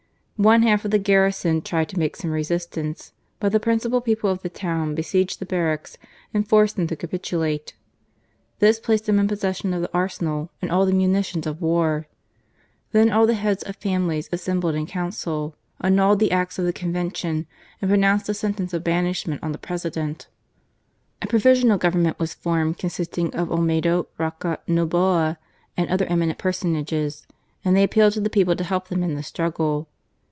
One half of the garrison tried to make some resistance : but the principal people of the town besieged the barracks and forced them ta capitulate. This placed them in possession of the arsenal and all the munitions of war. Then all FLORES. 25 the heads of families assembled in council^ annulled the acts of the Convention, and pronounced a sentence of banishment on the President. A pro visional Government was formed consisting of 01m6do, Roca, Noboa, and other eminent person ages, and they appealed to the people to help them in the struggle.